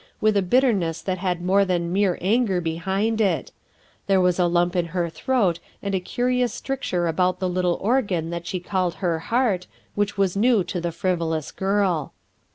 with a bitterness that had more than mere anger behind it; there was a lump in her throat and a curious stricture about the little organ that she called her heart, which was new to the frivolous girl.